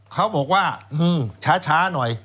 เขาบอกว่าช้าหน่อย